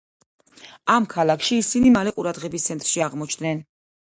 ამ ქალაქში ისინი მალე ყურადღების ცენტრში აღმოჩნდნენ.